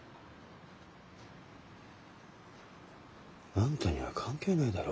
あんたには関係ないだろ。